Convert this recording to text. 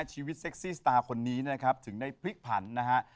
เซ็กซี่สตาร์คนนี้นะครับถึงได้พลิกผันนะฮะ